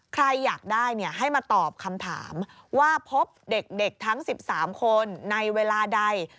ใครอยากได้ให้มาตอบคำถามว่าพบเด็กทั้ง๑๓คนในเวลาใด